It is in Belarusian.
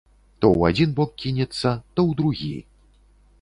То ў адзін бок кінецца, то ў другі.